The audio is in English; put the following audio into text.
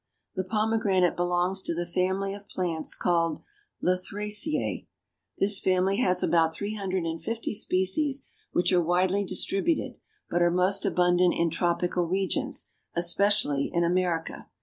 The Pomegranate belongs to the family of plants called Lythraceae. This family has about three hundred and fifty species which are widely distributed, but are most abundant in tropical regions, especially in America.